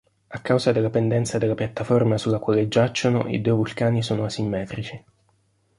A causa della pendenza della piattaforma sulla quale giacciono, i due vulcani sono asimmetrici.